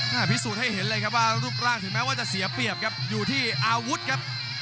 พิสูจน์ให้เห็นเลยครับว่ารูปร่างถึงแม้ว่าจะเสียเปรียบครับอยู่ที่อาวุธครับ